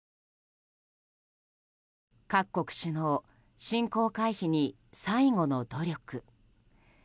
各国首脳、侵攻回避に最後の努力。